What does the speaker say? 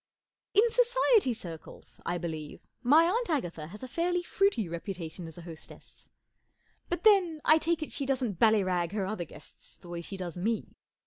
I N Society circles, I believe, my Aunt Agatha has a fairly fruity reputation as a hostess. But then, I take it she doesn't ballyrag her other guests the way she does me.